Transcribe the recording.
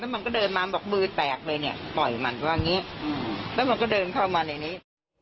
มันก็เดินมาก็บุ๊แตกเลยเนี่ยต่อมันก็งี้ก็เดินเข้ามาในนี้